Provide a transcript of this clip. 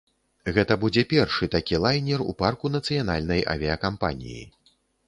Гэта будзе першы такі лайнер у парку нацыянальнай авіякампаніі.